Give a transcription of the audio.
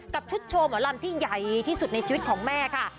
กับชุดโชว์หมอลำที่ใหญ่ที่สุดในชีวิตของแม่ค่ะ